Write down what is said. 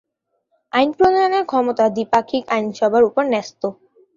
আইন প্রণয়নের ক্ষমতা দ্বিপাক্ষিক আইনসভার উপর ন্যস্ত।